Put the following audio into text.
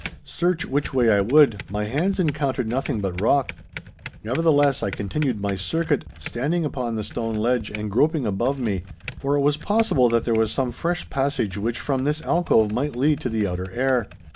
Search which way I would, my hands encountered nothing but rock. Nevertheless, I continued my circuit, standing upon the stone ledge and groping above me, for it was possible that there was some fresh passage which from this alcove might lead to the outer air.